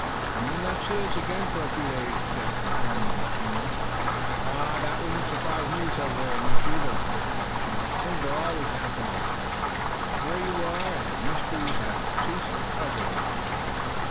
"You may not see us again, for a few days," Jack informed the machinist, in winding up. "That won't surprise me so very much, either," laughed the machinist. "Things are always happening, where you are, and mysteries have ceased to puzzle me."